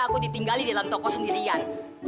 aku ditinggali di dalam toko sendirian